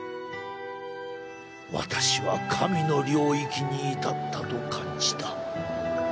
「私は神の領域に至ったと感じた」。